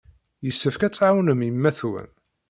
Yessefk ad tɛawnem yemma-twen.